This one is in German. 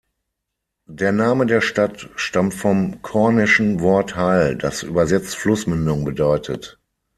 Der Name der Stadt stammt vom kornischen Wort "heyl", das übersetzt Flussmündung bedeutet.